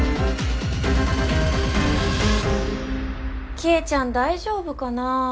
希恵ちゃん大丈夫かなあ。